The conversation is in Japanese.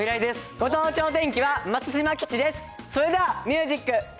ご当地お天気は松島基地です。